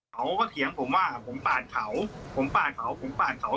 เถียงผมว่าผมปาดเขาผมปาดเขาผมปาดเขา